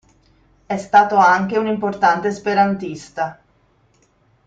È stato anche un importante esperantista.